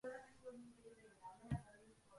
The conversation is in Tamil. இதற்குத் துணைசெய்தது போர்க்களத்தில் உள்ள கெட்டிநிலம்.